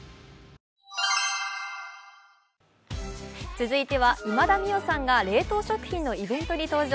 続いては、今田美桜さんが冷凍食品のイベントに登場。